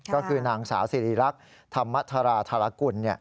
ก็คือนางสาวสิริรักษ์ธรรมธราธารกุล